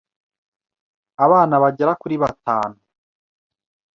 abana bagera kuri batanu.